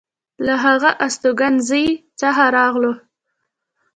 له هغه استوګنځي څخه راغلو.